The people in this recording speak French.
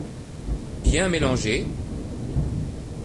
Bien mélanger.